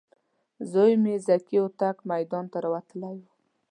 زوی مې ذکي هوتک میدان ته راوتلی و.